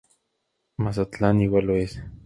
Mazatlán igual lo es.